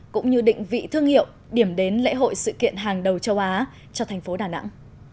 cũng như định vị thương hiệu điểm đến lễ hội sự kiện hàng đầu châu á cho thành phố đà nẵng